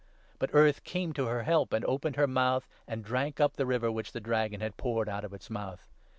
But Earth came to 16 her help, and opened her mouth and drank up the river which the Dragon had poured out of its mouth.